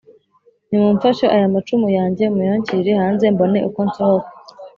«nimumfashe aya macumu yanjye muyanshyirire hanze mbone uko nsohoka.»